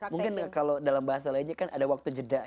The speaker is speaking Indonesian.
mungkin kalau dalam bahasa lainnya kan ada waktu jeda